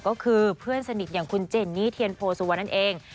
ก็คือเพื่อนสนิทอย่างคุณเจนนี่เทียนโพสุวรรณนั่นเอง